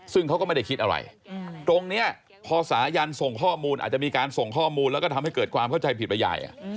ซึ่งเขาก็ไม่ได้คิดอะไรตรงนี้พอสายันส่งข้อมูลอาจจะมีการส่งข้อมูลแล้วก็ทำให้เกิดความเข้าใจผิดไปใหญ่